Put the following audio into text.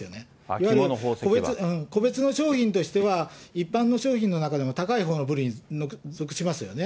いわゆる個別の商品としては、一般の商品の中でも高いほうの部類に属しますよね。